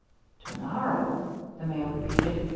"To morrow?" the man repeated.